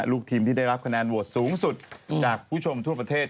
ลูกทีมที่ได้รับคะแนนโหวตสูงสุดจากผู้ชมทั่วประเทศ